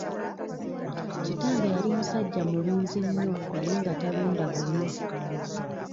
Kitange yali musajja mulunzi nnyo naye nga talunda bumyu.